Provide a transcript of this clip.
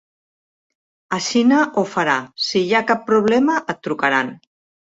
Així ho farà, si hi ha cap problema et trucaran.